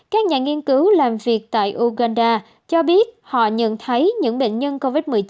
các nhà nghiên cứu làm việc tại uganda cho biết họ nhận thấy những bệnh nhân covid một mươi chín